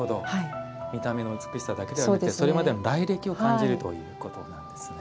見た目の美しさだけでなくそれまでの来歴を感じるということなんですね。